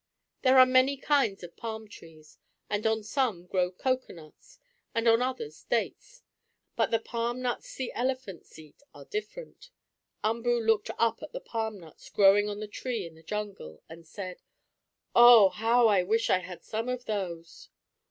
There are many kinds of palm trees, and on some grow cocoanuts, and on others dates; but the palm nuts the elephants eat are different. Umboo looked up at the palm nuts growing on the tree in the jungle, and said: "Oh, how I wish I had some of those."